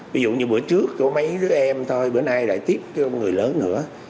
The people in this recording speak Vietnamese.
ví dụ như bữa trước có mấy đứa em thôi bữa nay lại tiếp cái người lớn nữa